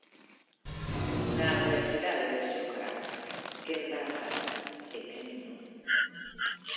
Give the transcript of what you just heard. Na adversidade vese o carácter, quen dá a cara e quen non.